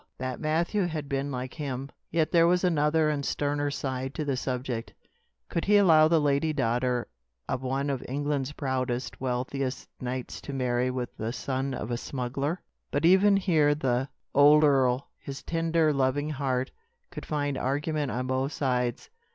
that Matthew had been like him!" Yet there was another and sterner side to the subject. Could he allow the lady daughter of one of England's proudest, wealthiest knights to marry with the son of a smuggler? But even here the old earl, his tender, loving heart, could find argument on both sides.